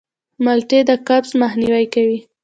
مالټې د قبض مخنیوی کوي.